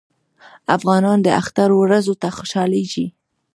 افغانان د اختر ورځو ته خوشحالیږي.